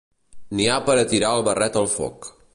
N'hi ha per a tirar el barret al foc.